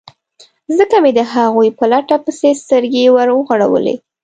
ځکه مې د هغوی په لټه پسې سترګې ور وغړولې.